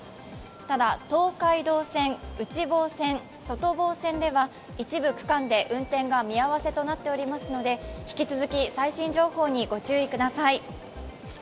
ただ、東海道線、内房線、外房線では一部区間で運転が見合わせとなっておりますので、引き続き最新情報にご注意ください。